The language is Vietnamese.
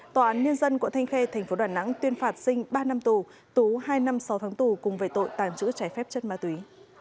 tòa án nhân dân của thanh khe thành phố đoàn nắng tuyên phạt sinh ba năm tù tú hai năm sáu tháng tù cùng về tội tàn trữ trái phép chất ma túy